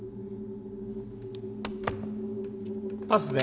パスで。